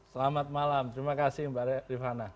selamat malam terima kasih mbak rifana